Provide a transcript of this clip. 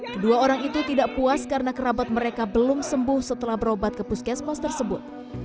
kedua orang itu tidak puas karena kerabat mereka belum sembuh setelah berobat ke puskesmas tersebut